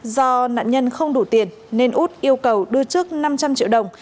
do nạn nhân không đủ tiền nên út yêu cầu đưa trước năm trăm linh triệu đồng